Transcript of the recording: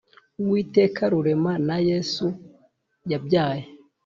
uwiteka rurema na yesu yabyaye